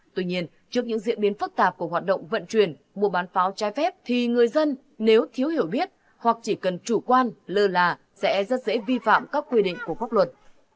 tuy nhiên trước những diễn biến phức tạp của hoạt động vận chuyển mua bán pháo trái phép thì người dân nếu thiếu hiểu biết hoặc chỉ cần chủ quan lơ là sẽ rất dễ vi phạm các quy định của pháp luật